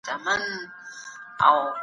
په پرهېز او عدالت یې و نوم تللی